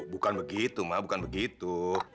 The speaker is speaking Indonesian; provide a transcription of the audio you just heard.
bukan begitu maaf bukan begitu